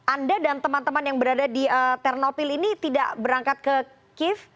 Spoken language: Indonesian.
anda dan teman teman yang berada di ternopil ini tidak berangkat ke kiev